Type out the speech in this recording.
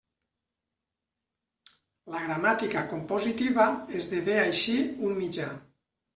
La gramàtica compositiva esdevé així un mitjà.